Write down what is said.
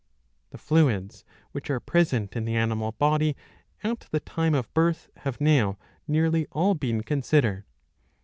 ^' The fluids which are present in the animal body at the time of birth have now nearly all been considered.